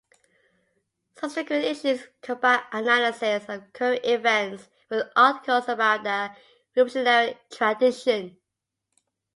Subsequent issues combine analysis of current events with articles about the revolutionary tradition.